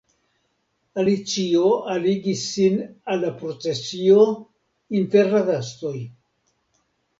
Alicio aligis sin al la procesio inter la gastoj.